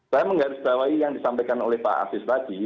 saya mengharuskan bahwa yang disampaikan oleh pak aziz tadi